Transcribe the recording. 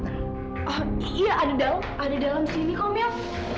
iya ada dalam sini komel